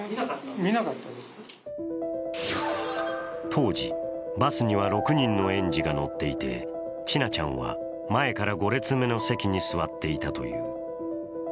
当時、バスには６人の園児が乗っていて千奈ちゃんは前から５列目の席に座っていたという。